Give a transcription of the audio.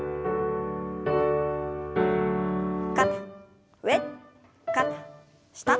肩上肩下。